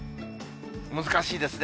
難しいですね。